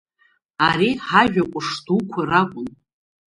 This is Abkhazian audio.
Ари ҳажәа ҟәыш дуқәа ракәын.